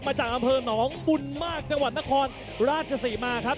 มาจากอำเภอหนองบุญมากจังหวัดนครราชศรีมาครับ